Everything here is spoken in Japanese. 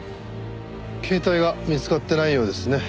携帯が見つかってないようですね。